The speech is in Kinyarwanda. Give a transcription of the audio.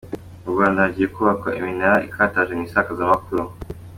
Mu Rwanda hagiye kubakwa iminara ikataje mu isakazamakuru